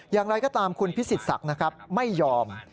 อย่างไรก็ตามคุณพิสิทธิ์ศักดิ์ไม่ยอม